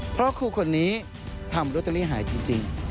เพราะครูคนนี้ทำรถไล่หายจริง